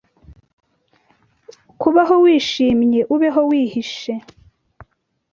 Kubaho wishimye ubeho wihishe.